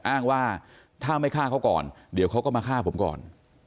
อ้างว่าถ้าไม่ฆ่าเขาก่อนเดี๋ยวเขาก็มาฆ่าผมก่อน